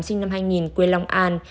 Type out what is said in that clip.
sinh năm hai nghìn quê long an